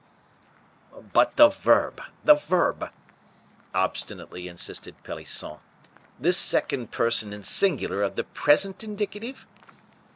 "But the verb, the verb," obstinately insisted Pelisson. "This second person singular of the present indicative?"